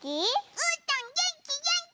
うーたんげんきげんき！